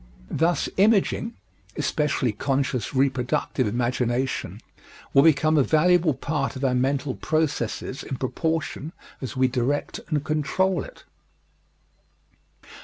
Thus, imaging especially conscious reproductive imagination will become a valuable part of our mental processes in proportion as we direct and control it.